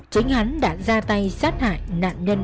chính hắn đã ra tay sát hại nạn nhân võ thành tuấn